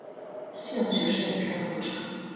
兴趣是影片录制。